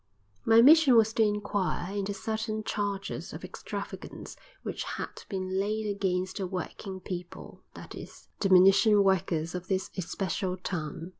My mission was to inquire into certain charges of extravagance which had been laid against the working people, that is, the munition workers of this especial town.